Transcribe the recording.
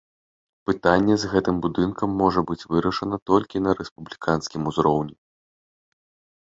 Пытанне з гэтым будынкам можа быць вырашана толькі на рэспубліканскім узроўні.